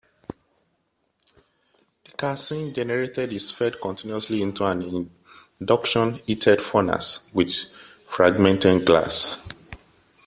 The 'calcine' generated is fed continuously into an induction heated furnace with fragmented glass.